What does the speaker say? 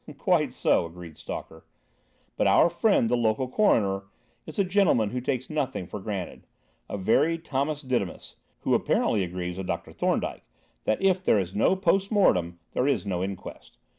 "Quite so," agreed Stalker; "but our friend, the local coroner, is a gentleman who takes nothing for granted—a very Thomas Didymus, who apparently agrees with Dr. Thorndyke that if there is no post mortem, there is no inquest.